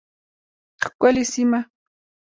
ښکلې سیمه